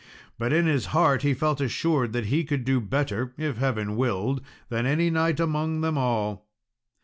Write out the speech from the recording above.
But in his heart he felt assured that he could do better if Heaven willed than any knight among them all.